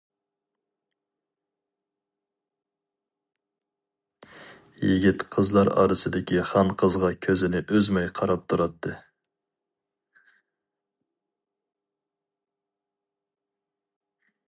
يىگىت قىزلار ئارىسىدىكى خانقىزغا كۆزىنى ئۈزمەي قاراپ تۇراتتى.